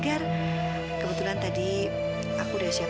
di kunjungi sebuah pusat